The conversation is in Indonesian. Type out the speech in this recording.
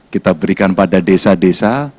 kita berikan pada desa desa